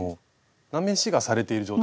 なめしがされている状態。